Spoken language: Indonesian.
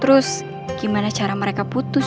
terus gimana cara mereka putus